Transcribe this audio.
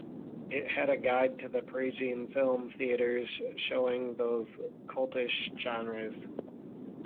It had a guide to the Parisian film theatres showing those cultish genres.